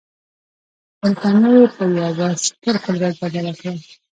برټانیه یې په یوه ستر قدرت بدله کړه.